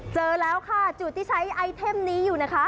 เจอแล้วค่ะจุดที่ใช้ไอเทมนี้อยู่นะคะ